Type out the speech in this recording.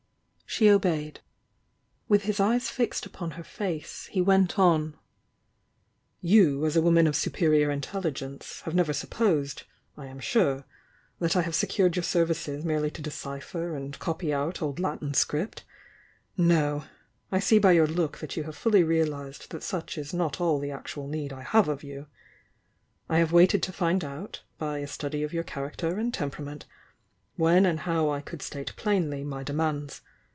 She obeyed. With his eyes fixed upon her face, he went on: "You, as a woman of superior intelligence, have never supposed, I am su.e, that I have secured your services merely to decipher and copy out old Latin script? No! — I see by your look that you have fully realised that such is not all the actual need I have of you. I have waited to find out, by a study of your character and temperament, when and how I could state plainly my demands.